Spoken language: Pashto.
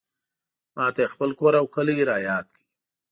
ماته یې خپل کور او کلی رایاد کړ.